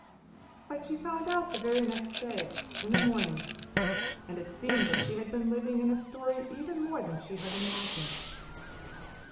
But she found out the very next day, in the morning; and it seemed that she had been living in a story even more than she had imagined.